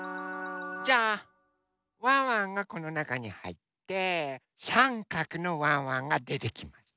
じゃあワンワンがこのなかにはいってさんかくのワンワンがでてきます。